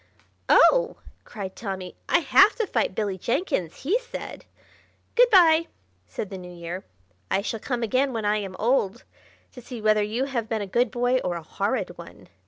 "Oh!" cried Tommy. "I have to fight Billy Jenkins! He said—" "Good by!" said the New Year. "I shall come again when I am old to see whether you have been a good boy or a horrid one.